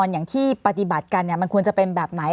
อย่างที่ปฏิบัติกันมันควรจะเป็นแบบไหน